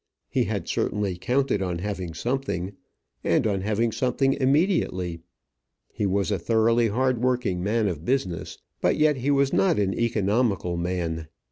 He had certainly counted on having something, and on having something immediately. He was a thoroughly hard working man of business, but yet he was not an economical man.